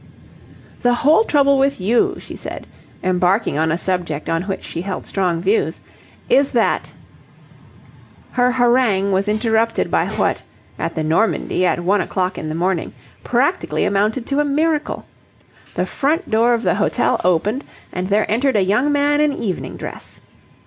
"The whole trouble with you," she said, embarking on a subject on which she held strong views, "is that..." Her harangue was interrupted by what at the Normandie, at one o'clock in the morning practically amounted to a miracle. The front door of the hotel opened, and there entered a young man in evening dress.